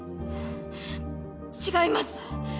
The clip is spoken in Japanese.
違います！